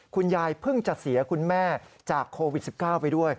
คุณยายเพิ่งจะเสียคุณแม่จากโควิด๑๙ไปด้วย